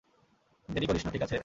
দেরি করিস না, ঠিক আছে?